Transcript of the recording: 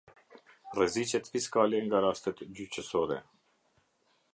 Rreziqet fiskale nga rastet gjyqësore.